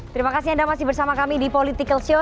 terima kasih anda masih bersama kami di political show